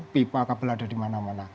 pipa kapal ada di mana mana